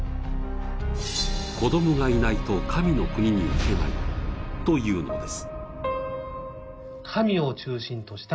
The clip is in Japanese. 「子供がいないと神の国に行けない」というのです。